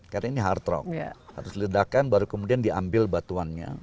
karena ini hard rock harus diledakkan baru kemudian diambil batuannya